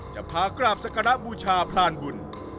จะพากราบสการะบูชาพรานบุญ